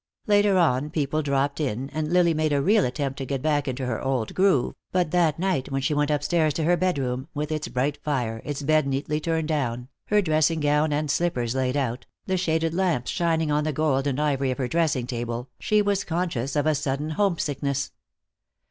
Later on people dropped in, and Lily made a real attempt to get back into her old groove, but that night, when she went upstairs to her bedroom, with its bright fire, its bed neatly turned down, her dressing gown and slippers laid out, the shaded lamps shining on the gold and ivory of her dressing table, she was conscious of a sudden homesickness.